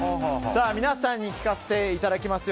皆さんに聞かせていただきます。